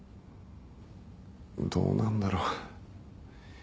どうなんだろ。